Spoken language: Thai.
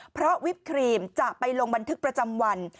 เพราะวิปครีมจะไปลงบันทึกประจำวัน